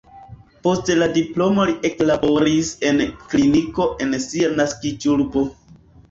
Post la diplomo li eklaboris en kliniko en sia naskiĝurbo.